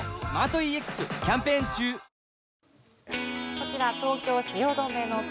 こちら東京・汐留の空。